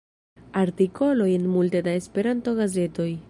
Artikoloj en multe da Esperanto-gazetoj.